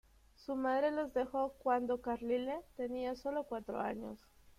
Su madre los dejó cuando Carlyle tenía sólo cuatro años.